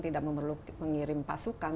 tidak memerlukan mengirim pasukan